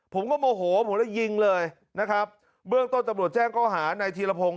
ผมก็โมโหผมเรื่องยิงเลยนะครับเบื้องต้นจำหนวดแจ้งก็หาในธีรพงศ์